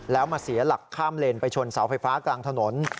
แล้วมาเสียหลักข้ามเลนไปชนเสาไฟฟ้ากลางถนน